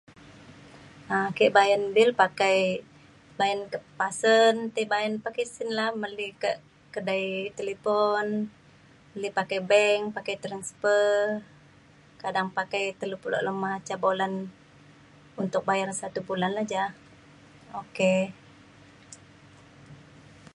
um ake bayan bil pakai bayan kak pasen tai bayan pakai sin la’a meli kak kedai talipon beli pakai bank pakai transfer kadang pakai pulo lema ca bulan untuk bayar satu bulan la ja. ok.